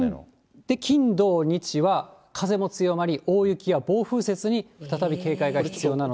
金、土、日は風も強まり、大雪や暴風雪に再び警戒が必要なので。